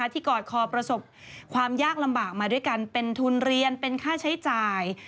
กอดคอประสบความยากลำบากมาด้วยกันเป็นทุนเรียนเป็นค่าใช้จ่าย